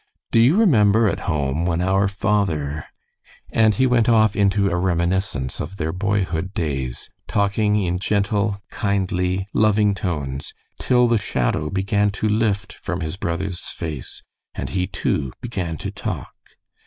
Do you remember at home, when our father" and he went off into a reminiscence of their boyhood days, talking in gentle, kindly, loving tones, till the shadow began to lift from his brother's face, and he, too, began to talk.